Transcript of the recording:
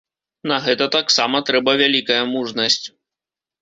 На гэта таксама трэба вялікая мужнасць.